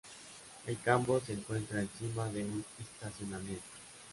El campo se encuentra encima de un estacionamiento.